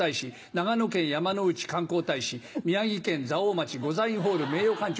長野県山ノ内観光大使宮城県蔵王町ございんホール名誉館長。